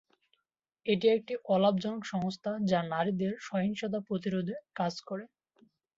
এটি একটি অলাভজনক সংস্থা যা নারীদের সহিংসতা প্রতিরোধে কাজ করে।